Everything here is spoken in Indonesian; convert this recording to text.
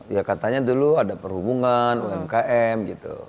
ya katanya dulu ada perhubungan umkm gitu